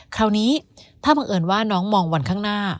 คราวนี้ถ้าบังเอิญว่าน้องมองวันข้างหน้า